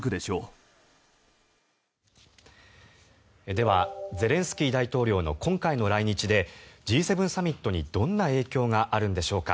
ではゼレンスキー大統領の今回の来日でＧ７サミットにどんな影響があるんでしょうか。